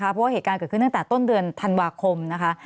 เพราะว่าเหตุการณ์เกิดขึ้นตั้งแต่ต้นเดือนธันวาคมนะคะ